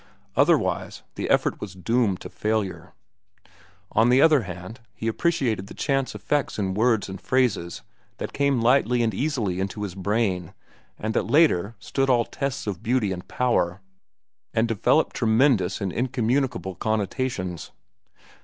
Otherwise the effort was doomed to failure. On the other hand, he appreciated the chance effects in words and phrases that came lightly and easily into his brain, and that later stood all tests of beauty and power and developed tremendous and incommunicable connotations.